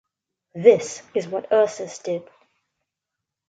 This is what Ursus did.